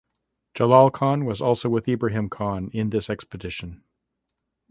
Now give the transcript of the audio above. Jalal Khan was also with Ibrahim Khan in this expedition.